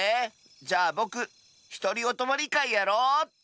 じゃあぼくひとりおとまりかいやろうっと。